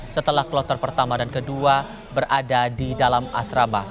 setelah kloter pertama dan kedua berada di dalam asrama